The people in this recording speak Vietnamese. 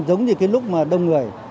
giống như cái lúc mà đông người